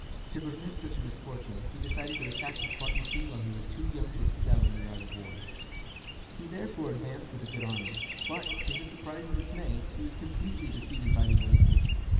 To prevent such a misfortune, he decided to attack the Spartan king while he was too young to excel in the art of war. He therefore advanced with a good army; but, to his surprise and dismay, he was completely defeated by the young king.